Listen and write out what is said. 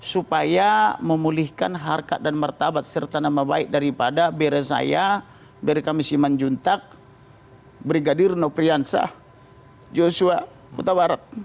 supaya memulihkan harkat dan martabat serta nama baik daripada bresaya berekamisi manjuntak brigadir no priyansah joshua putawarat